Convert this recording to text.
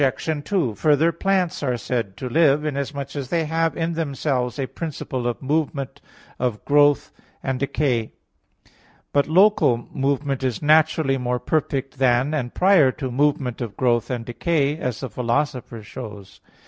2: Further, plants are said to live, inasmuch as they have in themselves a principle of movement of growth and decay. But local movement is naturally more perfect than, and prior to, movement of growth and decay, as the Philosopher shows (Phys.